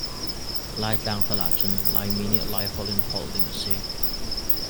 Laitlang tal ah cun Laimi nih Laiholh in holh ding a si.